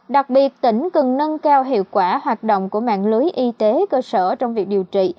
đặc biệt tỉnh cần nâng cao hiệu quả hoạt động của mạng lưới y tế cơ sở trong việc điều trị